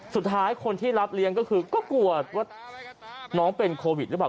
สุดท้ายคนที่รับเลี้ยงก็คือก็กลัวว่าน้องเป็นโควิดหรือเปล่า